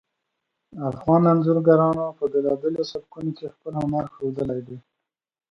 افغان انځورګرانو په بیلابیلو سبکونو کې خپل هنر ښودلی ده